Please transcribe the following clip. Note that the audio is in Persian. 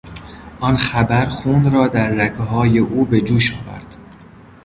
آن خبر خون را در رگهای او به جوش آورد.